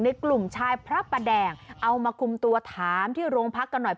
กลุ่มชายพระประแดงเอามาคุมตัวถามที่โรงพักกันหน่อย